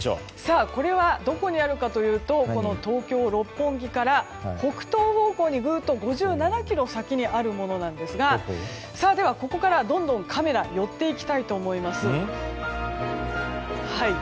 これはどこにあるかというと東京・六本木から北東方向に５７ｋｍ先にあるものですがでは、ここからどんどんカメラ寄っていきたいと思います。